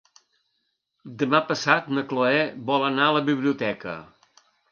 Demà passat na Chloé vol anar a la biblioteca.